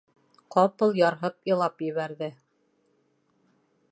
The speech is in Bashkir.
Ҡапыл ярһып илап ебәрҙе.